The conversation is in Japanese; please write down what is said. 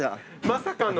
まさかの。